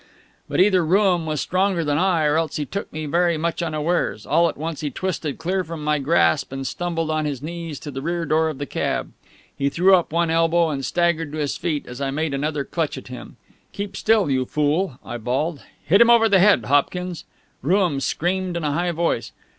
But either Rooum was stronger than I, or else he took me very much unawares. All at once he twisted clear from my grasp and stumbled on his knees to the rear door of the cab. He threw up one elbow, and staggered to his feet as I made another clutch at him. "Keep still, you fool!" I bawled. "Hit him over the head, Hopkins!" Rooum screamed in a high voice.